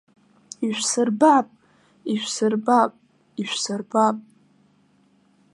Ишәсырбап, ишәсырбап, ишәсырбап!